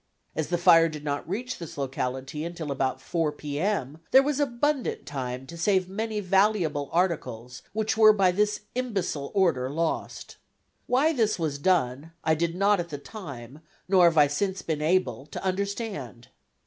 As the fire did not reach this locality until about 4 P. M., there was abundant time to save many valuable articles which were by this imbecile order lost. Why this was done, I did not at the time, nor have I since been able to understand.